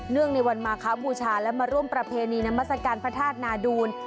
งในวันมาคบูชาและมาร่วมประเพณีนามัศกาลพระธาตุนาดูล